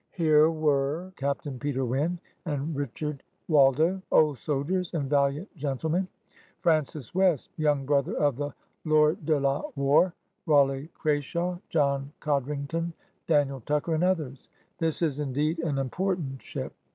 Here were Captain Peter Wynne and Rich ard Waldo, ^^old soldiers and valiant gentlemen,'' Francis West, young brother of the Lord De La Warr, Rawley Crashaw, John Codrington, Daniel Tucker, and others. This is indeed an important ship.